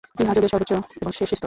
ইহা যোগের সর্বোচ্চ এবং শেষ স্তর।